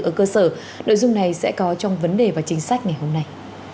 ở cơ sở nội dung này sẽ có trong vấn đề và chính sách ngày hôm nay